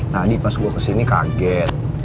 tadi pas gue kesini kaget